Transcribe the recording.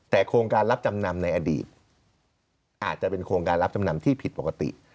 แต่โครงการรับจำนำในอดีตอาจจะเป็นโครงการรับจำนำที่ผิดปกติ